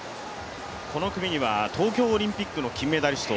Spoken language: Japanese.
この組には東京オリンピックの金メダリスト